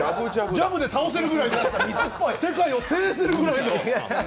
ジャブで倒せるぐらい世界を制するぐらいの。